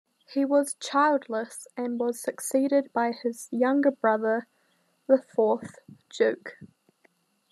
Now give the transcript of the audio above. He was childless and was succeeded by his younger brother, the fourth Duke.